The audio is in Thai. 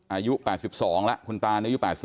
อายุ๘๒แล้วคุณตานี่อายุ๘๐